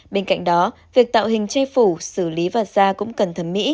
bên cạnh đó việc tạo hình che phủ xử lý và da cũng cần thẩm mỹ